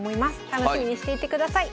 楽しみにしていてください。